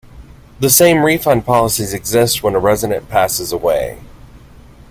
The same refund policies exist when a resident passes away.